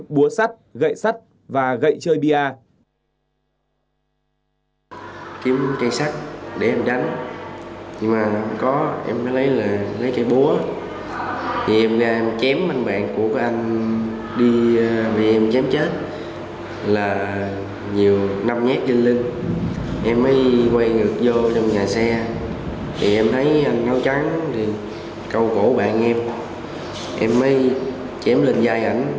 búa sắt gậy sắt và gậy chơi bia